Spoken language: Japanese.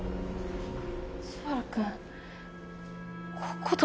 昴くんここどこ？